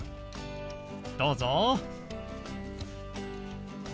どうぞ。